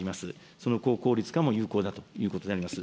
その高効率化も有効だということであります。